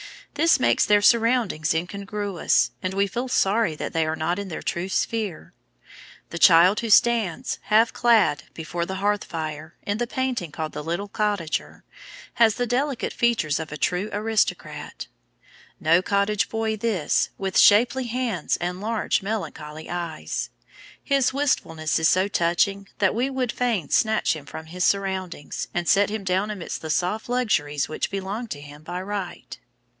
This makes their surroundings incongruous, and we feel sorry that they are not in their true sphere. The child who stands, half clad, before the hearth fire, in the painting called the "Little Cottager," has the delicate features of a true aristocrat. No cottage boy this, with shapely hands and large, melancholy eyes. His wistfulness is so touching that we would fain snatch him from his surroundings, and set him down amidst the soft luxuries which belong to him by right.